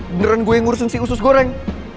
beneran gue yang ngurusin si usus goreng